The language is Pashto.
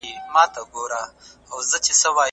ټولنیز علوم د څېړني بله مهمه برخه جوړوي.